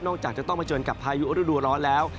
นอกจากจะต้องมาเจินกับพายุอุดดัวร้อนแล้ว